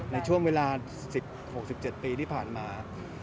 ในช่วงเวลา๑๖๑๗ปีที่ผ่านมา